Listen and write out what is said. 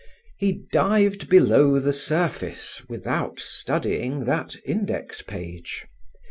He dived below the surface without studying that index page.